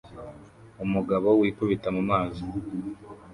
Umugabo wikubita mu mazi